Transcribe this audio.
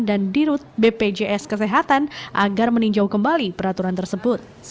dan dirut bpjs kesehatan agar meninjau kembali peraturan tersebut